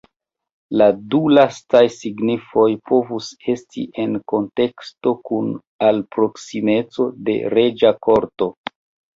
La du lastaj signifoj povus esti en kunteksto kun al proksimeco de reĝa korto.